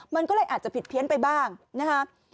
มันก็เลยอาจจะผิดเพี้ยนไปบ้างนะคะ